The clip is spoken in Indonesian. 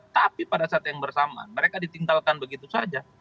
tapi pada saat yang bersamaan mereka ditinggalkan begitu saja